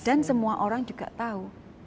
dan semua orang juga tahu